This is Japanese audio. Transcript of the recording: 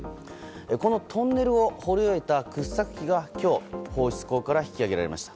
このトンネルを掘り終えた掘削機が今日放出口から引き揚げられました。